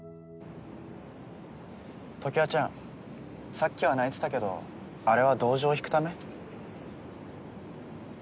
さっきは泣いてたけどあれは同情を引くため？